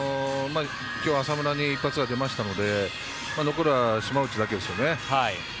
浅村に一発が出ましたので残るは島内だけですよね。